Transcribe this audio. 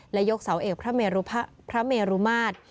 และยกเสาเอกพระเมรุภะเมรุมาตร